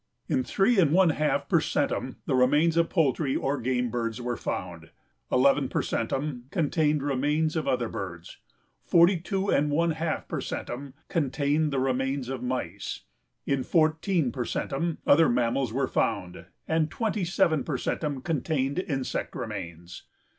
In three and one half per centum the remains of poultry or game birds were found; eleven per centum contained remains of other birds; forty two and one half per centum contained the remains of mice; in fourteen per centum other mammals were found and twenty seven per centum contained insect remains.